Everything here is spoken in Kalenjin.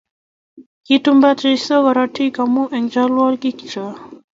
Kitumda Jesu korotik amu eng chalwogik chok